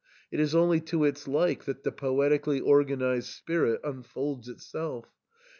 It is only to its like that the poetically organised spirit unfolds itself.